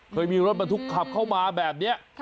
เคยมีรถบรรทุกขับเข้ามาแบบนี้